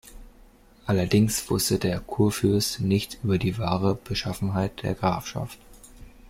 Allerdings wusste der Kurfürst nichts über die wahre Beschaffenheit der Grafschaft.